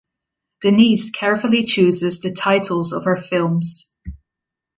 Denis carefully chooses the titles of her films.